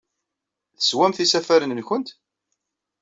Teswamt isafaren-nwent?